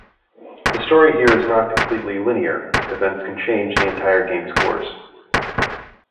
The story here is not completely linear, events can change the entire game's course.